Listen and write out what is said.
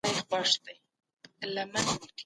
صنعتي کاروبار څنګه د بازار بدلون سره عیارېږي؟